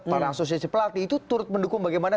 para asosiasi pelatih itu turut mendukung bagaimana